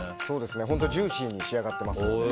本当、ジューシーに仕上がっていますので。